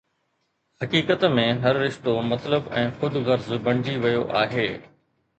حقيقت ۾، هر رشتو مطلب ۽ خود غرض بڻجي ويو آهي